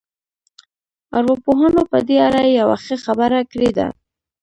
ارواپوهانو په دې اړه يوه ښه خبره کړې ده.